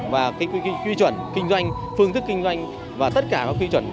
và cái quy truẩn kinh doanh phương thức kinh doanh và tất cả các quy truẩn